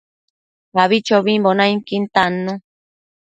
Abichobimbo nainquin tannu